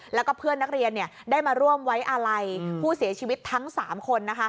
แล้วก็เพื่อนนักเรียนได้มาร่วมไว้อาลัยผู้เสียชีวิตทั้ง๓คน